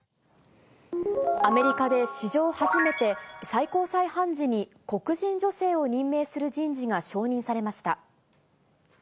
アメリカで史上初めて、最高裁判事に黒人女性を任命する人事が承認されました。